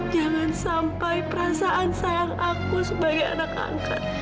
jangan sampai perasaan sayang aku sebagai anak angkat